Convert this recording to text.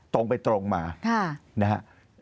ตรงไปตรงมานะฮะ